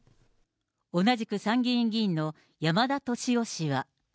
同じく参議院議員の山田俊男氏は。